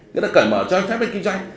cái đó cởi mở ra cho phép kinh doanh